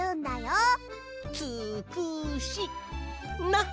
「つくし」な！